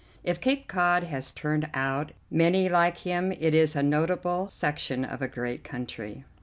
If Cape Cod has turned out many like him, it is a notable section of a great country.